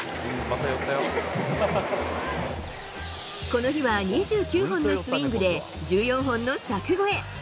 この日は２９本のスイングで、１４本の柵越え。